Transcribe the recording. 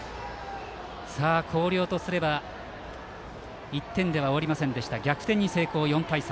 広陵とすれば１点では終わらず逆転に成功、４対３。